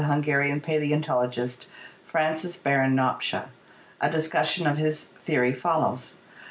Hungarian paleontologist, Francis Baron Nopcsa. A discussion of his theory follows.